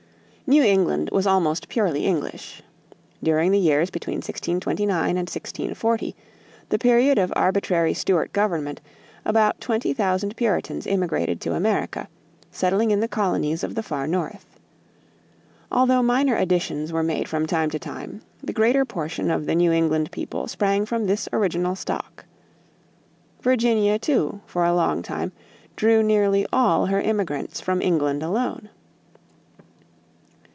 New England was almost purely English. During the years between 1629 and 1640, the period of arbitrary Stuart government, about twenty thousand Puritans emigrated to America, settling in the colonies of the far North. Although minor additions were made from time to time, the greater portion of the New England people sprang from this original stock. Virginia, too, for a long time drew nearly all her immigrants from England alone.